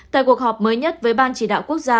tại cuộc họp mới nhất với ban chỉ đạo quốc gia